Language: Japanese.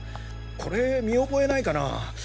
これ見覚えないかな？